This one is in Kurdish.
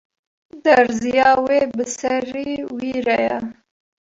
Derziya wê bi serî wî re ye